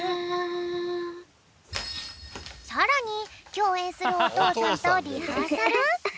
さらにきょうえんするおとうさんとリハーサル。